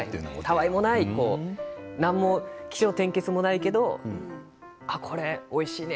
たあいのない、何の起承転結もないけどおいしいね。